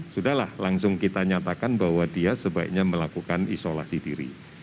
sudahlah langsung kita nyatakan bahwa dia sebaiknya melakukan isolasi diri